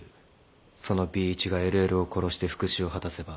「そのＢ一がＬＬを殺して復讐を果たせば」